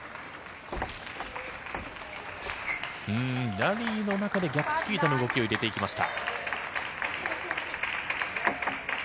ラリーの中で逆チキータの動きを入れていきました。